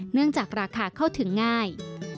เนื่องจากราคาเข้าถึงง่าย